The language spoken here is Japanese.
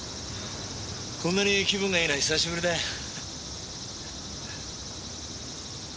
こんなに気分がいいのは久しぶりだよ。